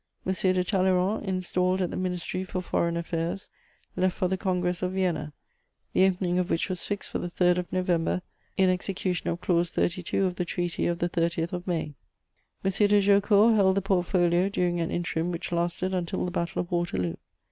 M. de Talleyrand, installed at the Ministry for Foreign Affairs, left for the Congress of Vienna, the opening of which was fixed for the 3rd of November, in execution of Clause 32 of the Treaty of the 30th of May; M. de Jaucourt held the portfolio during an interim which lasted until the Battle of Waterloo.